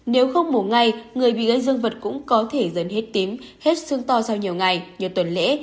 nếu không mổ ngày người bị gãy dương vật cũng có thể dần hết tím hết xương to sau nhiều ngày nhiều tuần lễ